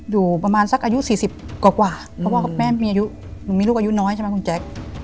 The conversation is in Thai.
อยู่ประมาณสักอายุ๔๐กว่าเพราะว่าแม่มีอายุหนูมีลูกอายุน้อยใช่ไหมคุณแจ๊ค